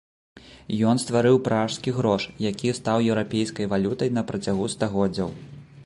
Ён стварыў пражскі грош, які стаў еўрапейскай валютай на працягу стагоддзяў.